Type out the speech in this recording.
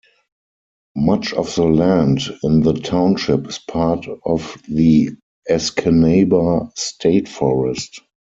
Much of the land in the township is part of the Escanaba State Forest.